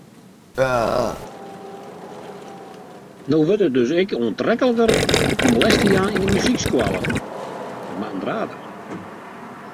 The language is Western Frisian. No wurdt it dus ek oantrekliker om les te jaan oan in muzykskoalle.